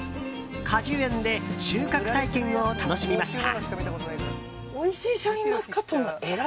果樹園で収穫体験を楽しみました。